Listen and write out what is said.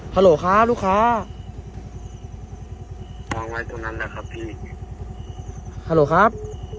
โหลครับลูกค้าวางไว้ตรงนั้นแหละครับพี่ฮัลโหลครับ